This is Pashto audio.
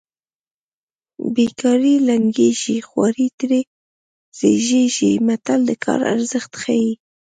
بې کاري لنګېږي خواري ترې زېږېږي متل د کار ارزښت ښيي